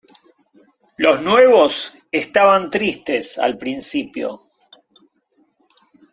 los nuevos estaban tristes al principio .